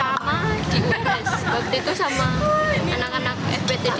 waktu itu sama anak anak fptd juga